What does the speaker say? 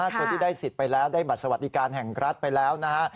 คนที่ได้สิทธิ์ไปแล้วได้บัตรสวัสดิการแห่งรัฐไปแล้วนะฮะ